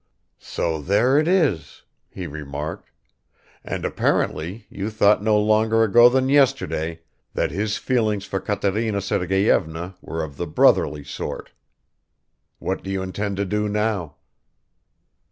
"So there it is," he remarked, "and apparently you thought no longer ago than yesterday that his feelings for Katerina Sergeyevna were of the brotherly sort. What do you intend to do now?"